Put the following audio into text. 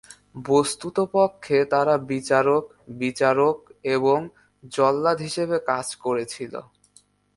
বস্তুপক্ষে, তারা বিচারক, বিচারক এবং জল্লাদ হিসেবে কাজ করেছিল।